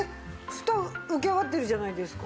ふた浮き上がってるじゃないですか。